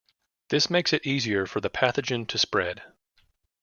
This makes it easier for the pathogen to spread.